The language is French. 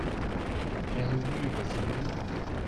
Mère Ubu Voici le menu.